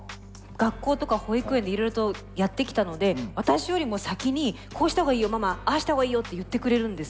学校とか保育園でいろいろとやってきたので私よりも先に「こうしたほうがいいよママああしたほうがいいよ」って言ってくれるんです。